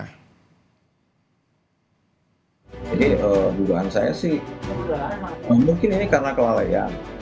jadi dugaan saya sih mungkin ini karena kelalaian